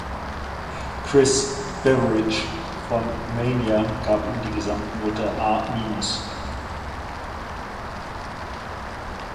Chris Beveridge von „Mania“ gab ihm die Gesamtnote „A-“.